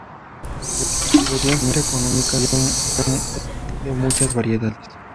Podían ser económicas y había de muchas variedades.